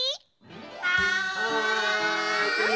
はい！